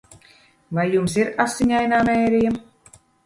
Vai jums ir Asiņainā Mērija?